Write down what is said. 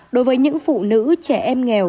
đối với những phụ nữ trẻ em nghèo